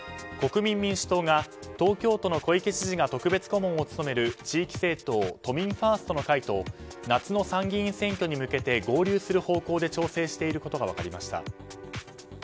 国民民主党が東京都の小池知事が特別顧問を務める地域政党都民ファーストの会と夏の参議院選挙に向けて合流する方向で調整していることが分かりました。